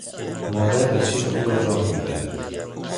مادر بچهٔ خود را راه میبرد.